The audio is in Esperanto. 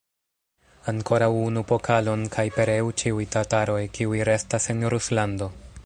Ankoraŭ unu pokalon, kaj pereu ĉiuj tataroj, kiuj restas en Ruslando!